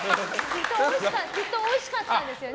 きっとおいしかったんですよね。